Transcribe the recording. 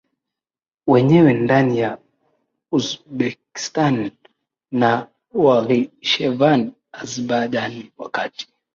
wenyewe ndani ya Uzbekistan na Nakhichevan Azabajani kati